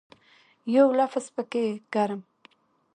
یو لفظ پکښې کرم